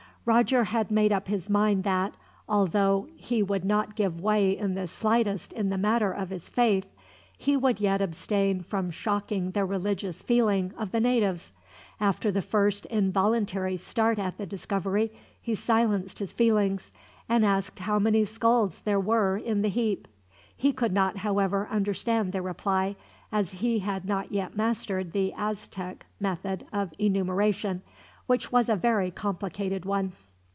Roger had made up his mind that, although he would not give way in the slightest in the matter of his faith, he would yet abstain from shocking the religious feeling of the natives. After the first involuntary start at the discovery, he silenced his feelings, and asked how many skulls there were in the heap. He could not, however, understand the reply, as he had not yet mastered the Aztec method of enumeration, which was a very complicated one.